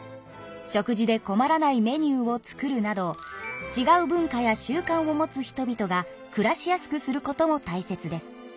食事でこまらないメニューを作るなどちがう文化や習慣を持つ人々が暮らしやすくすることも大切です。